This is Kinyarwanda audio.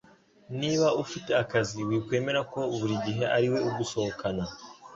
Niba ufite akazi wikwemera ko buri gihe ariwe ugusohokana